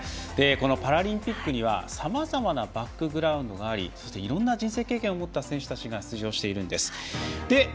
パラリンピックにはさまざまなバックグラウンドがありそして、いろんな人生経験を持った選手たちが出場しているんです。